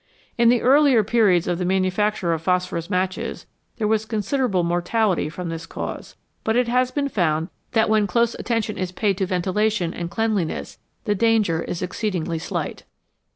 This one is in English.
In the earlier periods of the manufacture of phosphorus matches there was considerable mortality from this cause, but it has been found that when close attention is paid to ventilation and cleanliness the danger is exceedingly slight.